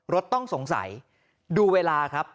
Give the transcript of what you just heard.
รถต้องสงสัยดูเวลาครับ